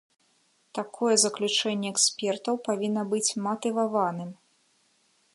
Такое заключэнне экспертаў павінна быць матываваным.